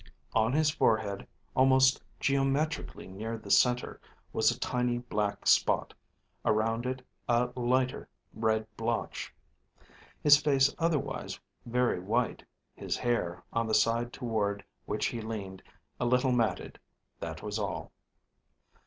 On his forehead, almost geometrically near the centre, was a tiny, black spot, around it a lighter red blotch; his face otherwise very white; his hair, on the side toward which he leaned, a little matted; that was all.